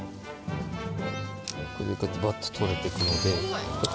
これでこうやってバッと取れていくので。